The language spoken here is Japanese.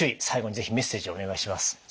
最後に是非メッセージをお願いします。